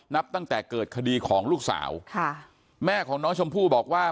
นับตั้งแต่เกิดคดีของลูกสาวค่ะแม่ของน้องชมพู่บอกว่า